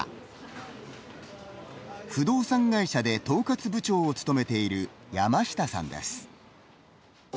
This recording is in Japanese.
不動産会社で統括部長を務めている山下さんです。